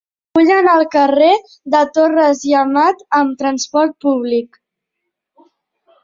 Vull anar al carrer de Torres i Amat amb trasport públic.